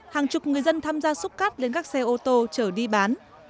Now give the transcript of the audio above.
hàng chục người dân tham gia xúc cát lên các xe ô tô chở đi bán